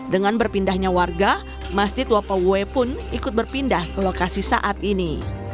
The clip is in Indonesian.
dengan berpindahnya warga masjid wapawue pun ikut berpindah ke lokasi saat ini